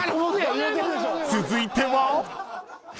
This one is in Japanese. ［続いては］